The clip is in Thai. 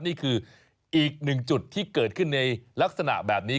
นี่คืออีกหนึ่งจุดที่เกิดขึ้นในลักษณะแบบนี้